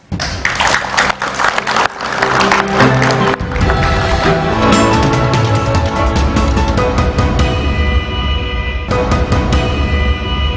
orang orang yang berupaya untuk membuang demokrasi badu